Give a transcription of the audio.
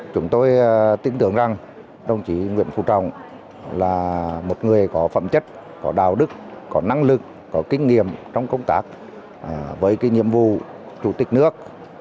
chúng tôi tin tưởng rằng đồng chí nguyễn phú trọng là một người có phẩm chất có đạo đức có năng lực có kinh nghiệm trong công tác với cái nhiệm vụ chủ tịch nước